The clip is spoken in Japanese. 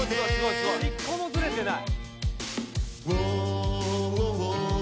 １個もズレてない。